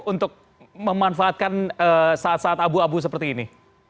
untuk memanfaatkan saat saat abu abu seperti ini